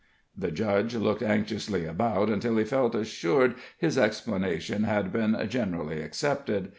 The judge looked anxiously about until he felt assured his explanation had been generally accepted.